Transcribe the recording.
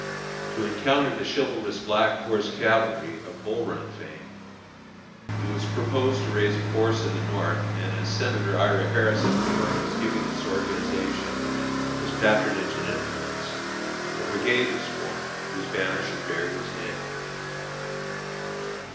To encounter the chivalrous Black Horse Cavalry, of Bull Run fame, it was proposed to raise a force in the North, and as Senator Ira Harris, of New York, was giving this organization his patronage and influence, a brigade was formed, whose banners should bear his name.